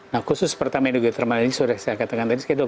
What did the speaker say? nah khusus pertama ini sudah saya katakan tadi